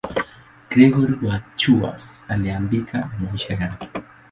Gregori wa Tours aliandika maisha yake.